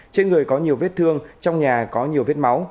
trên người có nhiều vết thương trong nhà có nhiều vết máu